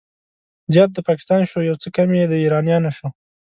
زيات د پاکستان شو، يو څه کم د ايرانيانو شو